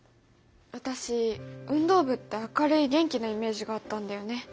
私運動部って明るい元気なイメージがあったんだよね。